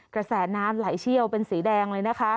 กระแสน้ำไหลเชี่ยวเป็นสีแดงเลยนะคะ